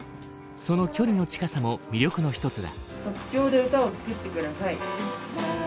その距離の近さも魅力の一つだ。